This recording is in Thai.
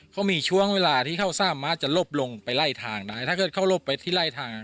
เขามีช่วงเวลาที่เขาสามารถจะลบลงไปไล่ทางได้ถ้าเกิดเขาลบไปที่ไล่ทาง